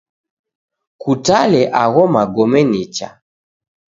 Kutale agho magome nicha.